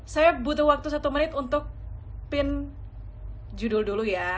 saya butuh waktu satu menit untuk pin judul dulu ya